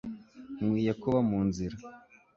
Nkwiye kuba mu nzira